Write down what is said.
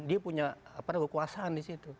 dia punya kekuasaan